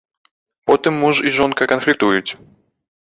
Потым муж і жонка канфліктуюць.